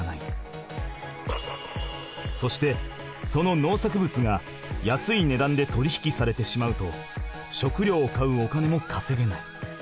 そしてその農作物が安い値段で取り引きされてしまうと食料を買うお金もかせげない。